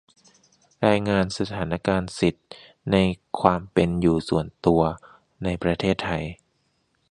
รายงานสถานการณ์สิทธิในความเป็นอยู่ส่วนตัวในประเทศไทย